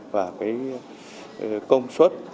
và cái công suất